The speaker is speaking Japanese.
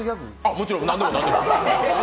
もちろん、何でも何でも。